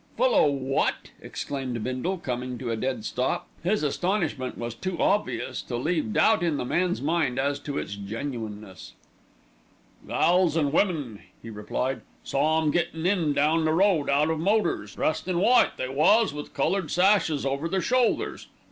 "Full o' wot?" exclaimed Bindle, coming to a dead stop. His astonishment was too obvious to leave doubt in the man's mind as to its genuineness. "Gals an' women," he replied. "Saw 'em gettin' in down the road, out of motors. Dressed in white they was, with coloured sashes over their shoulders.